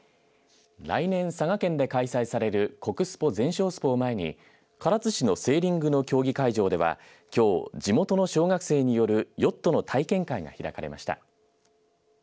来年佐賀県で開催される国スポ・全障スポを前に唐津市のセーリングの競技会場では、きょう地元の小学生によるヨットの体験会が開かれました。